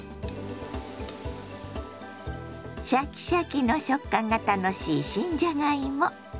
シャキシャキの食感が楽しい新じゃがいも。